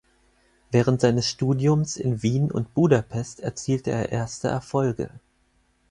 Während seines Studiums in Wien und Budapest erzielte er erste Erfolge.